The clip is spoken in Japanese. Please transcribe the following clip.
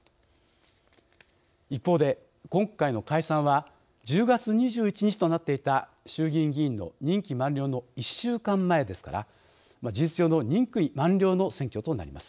一方で今回の解散は１０月２１日となっていた衆議院議員の任期満了の１週間前ですから事実上の任期満了の選挙となります。